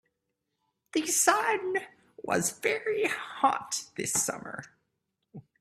The sun was very hot this summer.